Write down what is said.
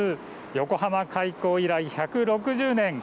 横浜開港以来１６０年